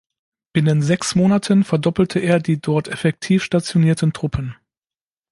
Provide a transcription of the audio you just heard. Binnen sechs Monaten verdoppelte er die dort effektiv stationierten Truppen.